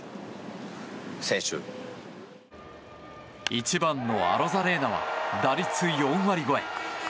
１番のアロザレーナは打率４割超え。